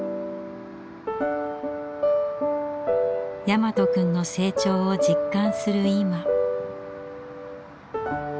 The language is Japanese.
大和くんの成長を実感する今。